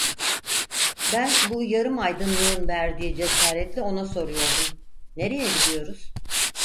Ben bu yarım aydınlığın verdiği cesaretle ona soruyordum: "Nereye gidiyoruz?"